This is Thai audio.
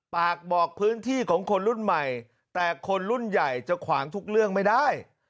ปากบอกพื้นที่ของคนรุ่นใหม่แต่คนรุ่นใหญ่จะขวางทุกเรื่องไม่ได้